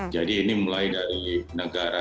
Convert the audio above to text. jadi ini mulai dari negara negara